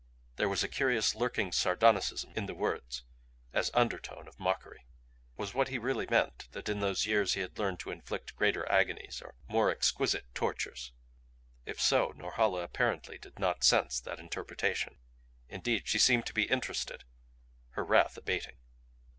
There was a curious lurking sardonicism in the words, an undertone of mockery. Was what he really meant that in those years he had learned to inflict greater agonies, more exquisite tortures? If so, Norhala apparently did not sense that interpretation. Indeed, she seemed to be interested, her wrath abating.